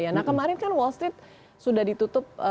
nah kemarin kan wall street sudah ditutup